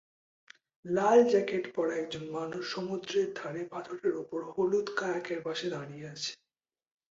লাল jacket পরা একজন মানুষ সমুদ্রের ধারে পাথরের উপর হলুদ কায়াকের পাশে দাঁড়িয়ে আছে।